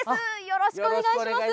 よろしくお願いします。